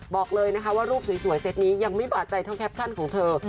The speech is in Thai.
บอกเลยนะคะว่ารูปสวยเซตนี้ยังไม่บาดใจเท่าแคปชั่นของเธอ